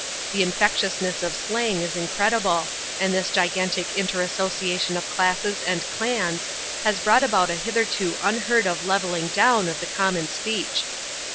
The infectiousness of slang is incredible; and this gigantic inter association of classes and clans has brought about a hitherto unheard of levelling down of the common speech.